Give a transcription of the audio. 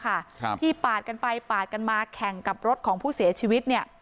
ครับที่ปาดกันไปปาดกันมาแข่งกับรถของผู้เสียชีวิตเนี่ย